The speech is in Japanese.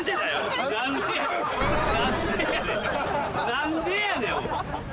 何でやねん。